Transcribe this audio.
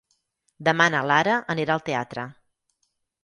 Demà na Lara anirà al teatre.